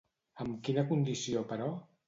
Amb quina condició, però?